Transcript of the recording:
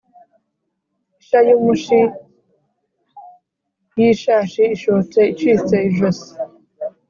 isha yumushi yishashi ishotse icitse ijosi